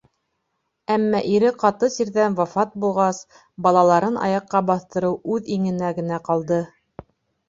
Әммә ире ҡаты сирҙән вафат булғас, балаларын аяҡҡа баҫтырыу үҙ иңенә генә ҡалды.